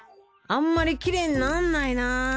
あんまりきれいにならないなぁ。